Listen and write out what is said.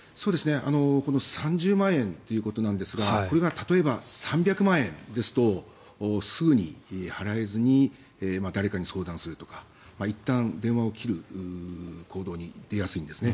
この３０万円ということなんですがこれが例えば、３００万円ですとすぐに払えずに誰かに相談するとかいったん電話を切る行動に出やすいんですね。